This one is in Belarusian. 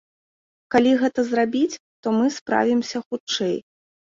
Калі гэта зрабіць, то мы справімся хутчэй.